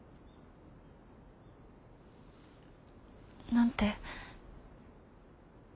何て？